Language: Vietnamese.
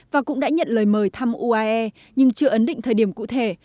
và cũng đã nhận lời mời thăm uae nhưng chưa ấn định thời điểm cụ thể